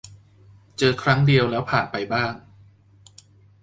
เจอครั้งเดียวแล้วผ่านไปบ้าง